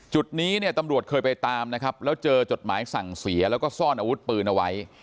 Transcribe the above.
จุดนี้เนี่ยตำรวจเคยไปตามนะครับแล้วเจอจดหมายสั่งเสียแล้วก็ซ่อนอาวุธปืนเอาไว้